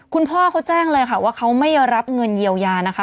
คุณพ่อเขาแจ้งเลยค่ะว่าเขาไม่รับเงินเยียวยานะคะ